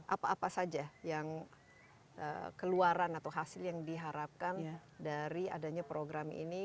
apa apa saja yang keluaran atau hasil yang diharapkan dari adanya program ini